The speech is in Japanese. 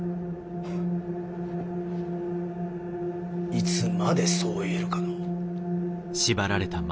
いつまでそう言えるかのう？